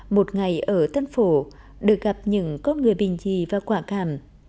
một ngày ở tân phổ được gặp những con người bình dị và quả cảm